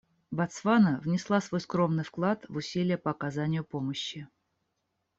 Ботсвана внесла свой скромный вклад в усилия по оказанию помощи.